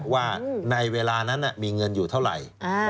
ว่าในเวลานั้นมีเงินอยู่เท่าไหร่